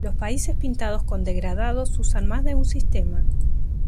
Los países pintados con degradados usan más de un sistema.